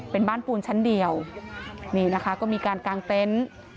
เป็นบ้านปูนชั้นเดียวนี่นะคะก็มีการกางเต็นต์